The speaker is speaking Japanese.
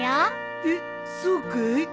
えっそうかい？